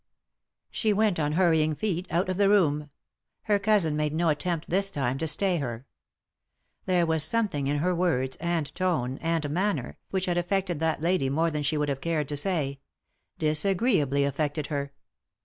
She went on hurrying feet out of the room ; her cousin made no attempt, this time, to stay her. There was something in her words, and tone, and manner, which had affected that lady more than sbe would have cared to say — disagreeably affected her.